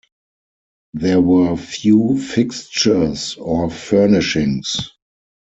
There were few fixtures or furnishings.